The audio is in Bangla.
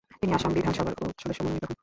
তিনি আসাম বিধানসভার সদস্য মনোনীত হন।